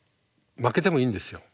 負けてもいいんですよ。